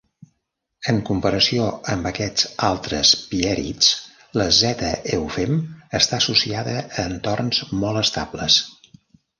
En comparació amb aquests altres pièrids, la "Z. eufem" està associada a entorns molt estables.